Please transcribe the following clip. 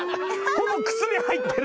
ほぼ靴に入ってる。